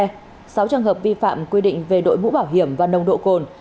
sáu trường hợp vi phạm quy định về đội mũ bảo hiểm và nồng độ cồn